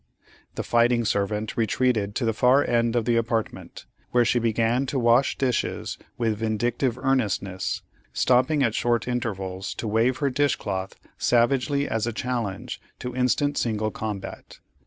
The fighting servant retreated to the far end of the apartment, where she began to wash dishes with vindictive earnestness, stopping at short intervals to wave her dish cloth savagely as a challenge to instant single combat.